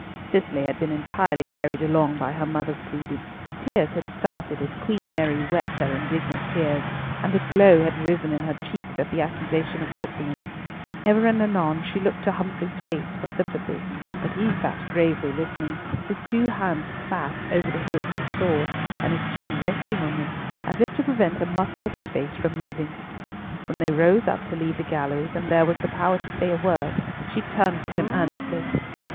Cicely had been entirely carried along by her mother's pleading. Tears had started as Queen Mary wept her indignant tears, and a glow had risen in her cheeks at the accusation of Walsingham. Ever and anon she looked to Humfrey's face for sympathy, but he sat gravely listening, his two hands clasped over the hilt of his sword, and his chin resting on them, as if to prevent a muscle of his face from moving. When they rose up to leave the galleries, and there was the power to say a word, she turned to him earnestly.